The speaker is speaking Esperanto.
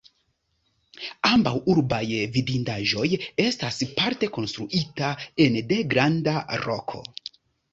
Ambaŭ urbaj vidindaĵoj estas parte konstruita ene de granda roko.